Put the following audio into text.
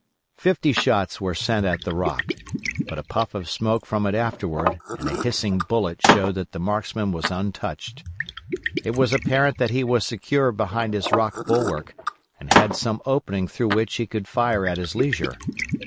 Fifty shots were sent at the rock, but a puff of smoke from it afterward and a hissing bullet showed that the marksman was untouched. It was apparent that he was secure behind his rock bulwark and had some opening through which he could fire at his leisure.